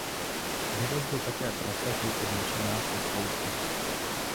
Vede zde také trasa žlutě značená se Sloupu.